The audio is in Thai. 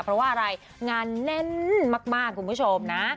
เพราะว่าอะไรงานแน่นมากคุณผู้ชมนะ